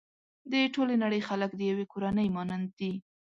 د ټولې نړۍ خلک د يوې کورنۍ مانند دي.